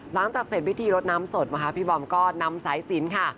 หลังจากเสร็จพิธีรดน้ำศพนะคะพี่บอมก็นำสายสินค่ะ